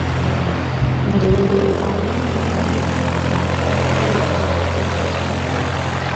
Buli mulimi alina engeri ye gy'aterekamu by'akungudde.